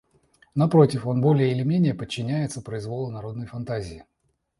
Напротив, он более или менее подчиняется произволу народной фантазии.